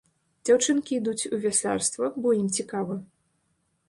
Дзяўчынкі ідуць у вяслярства, бо ім цікава.